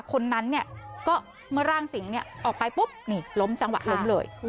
คนนั้นเนี่ยก็เมื่อร่างสิงห์ออกไปปุ๊บนี่ล้มจังหวะล้มเลย